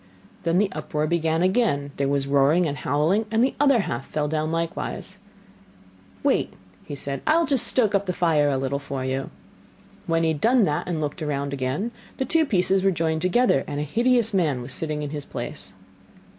Then the uproar began again, there was a roaring and howling, and the other half fell down likewise. 'Wait,' said he, 'I will just stoke up the fire a little for you.' When he had done that and looked round again, the two pieces were joined together, and a hideous man was sitting in his place.